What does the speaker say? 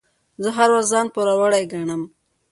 زه هر وخت ځان پوروړی ګڼم.